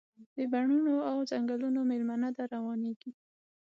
د بڼوڼو او ځنګلونو میلمنه ده، روانیږي